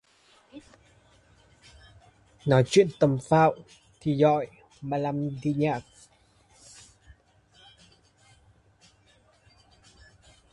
Nói chuyện tầm phào thì giỏi mà làm thì nhác